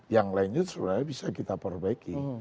yang lainnya sebenarnya bisa kita perbaiki